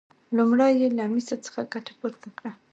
لومړی یې له مسو څخه ګټه پورته کړه.